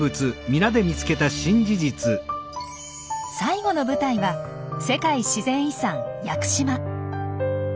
最後の舞台は世界自然遺産屋久島。